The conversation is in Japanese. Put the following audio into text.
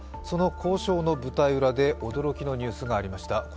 その交渉の舞台裏で驚きのニュースがありました。